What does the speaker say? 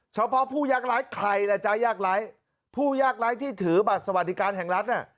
เฉพาะผู้ยากร้ายใครล่ะจ๊ะยากไร้ผู้ยากไร้ที่ถือบัตรสวัสดิการแห่งรัฐน่ะ